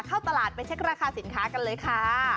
เข้าตลาดไปเช็คราคาสินค้ากันเลยค่ะ